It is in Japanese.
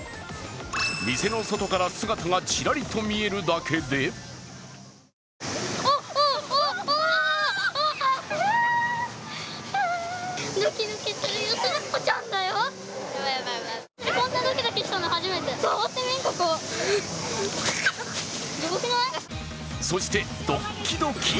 店の外から姿がちらりと見えるだけでそして、ドッキドキ。